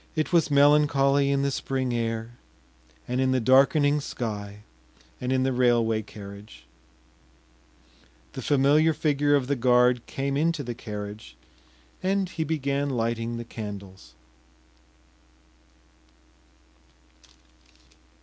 It was melancholy in the spring air, and in the darkening sky, and in the railway carriage. The familiar figure of the guard came into the carriage, and he began lighting the candles.